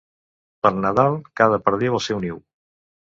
Per Nadal, cada perdiu al seu niu.